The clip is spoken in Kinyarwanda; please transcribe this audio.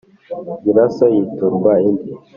giraso yiturwa indi.